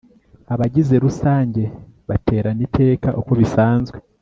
abagize rusange baterana iteka uko bisabwe